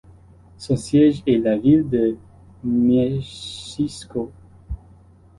Son siège est la ville de Mieścisko.